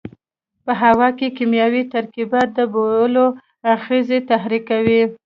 په هوا کې کیمیاوي ترکیبات د بویولو آخذې تحریکوي.